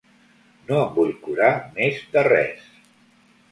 No em vull curar més de res.